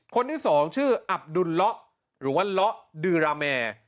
คนที่๒ชื่ออัปดุลระหรือว่าระดือราแมร